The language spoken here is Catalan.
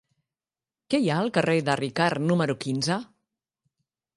Què hi ha al carrer de Ricart número quinze?